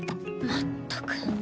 まったく。